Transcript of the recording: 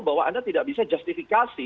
bahwa anda tidak bisa justifikasi